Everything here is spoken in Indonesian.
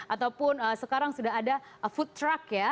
ataupun sekarang sudah ada food truck ya